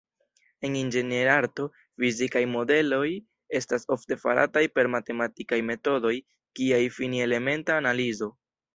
En inĝenierarto, fizikaj modeloj estas ofte farataj per matematikaj metodoj kiaj fini-elementa analizo.